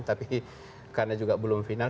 tapi karena juga belum final